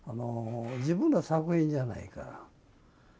自分の作品じゃないから。